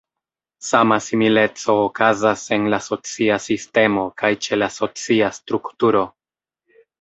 Sama simileco okazas en la "socia sistemo" kaj ĉe la "socia strukturo".